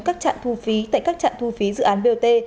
các trạm thu phí tại các trạm thu phí dự án bot